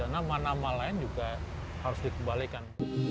nama nama lain juga harus dikembalikan